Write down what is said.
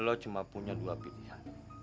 lo cuma punya dua pilihan